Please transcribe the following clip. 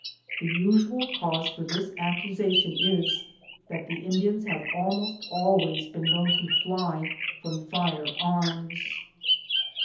The usual cause for this accusation is, that the Indians have almost always been known to fly fiiom fire arms.